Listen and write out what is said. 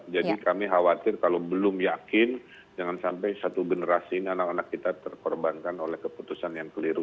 jadi kami khawatir kalau belum yakin jangan sampai satu generasi anak anak kita terkorbankan oleh keputusan yang keliru